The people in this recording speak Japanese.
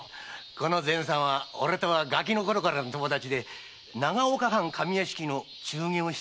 この善さんは俺とはガキのころからの友達で長岡藩上屋敷の中間をしてましてね。